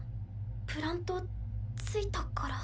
プラント着いたから。